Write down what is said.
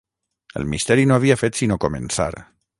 El misteri no havia fet sinó començar.